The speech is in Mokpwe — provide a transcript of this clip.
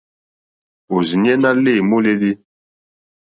Òrzìɲɛ́ ná lê môlélí.